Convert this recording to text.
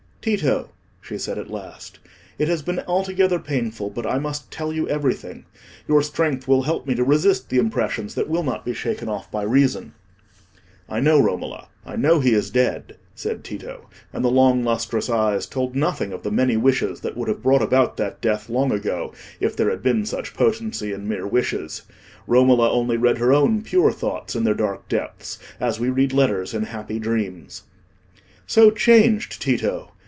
"Tito," she said at last, "it has been altogether painful, but I must tell you everything. Your strength will help me to resist the impressions that will not be shaken off by reason." "I know, Romola—I know he is dead," said Tito; and the long lustrous eyes told nothing of the many wishes that would have brought about that death long ago if there had been such potency in mere wishes. Romola only read her own pure thoughts in their dark depths, as we read letters in happy dreams. "So changed, Tito!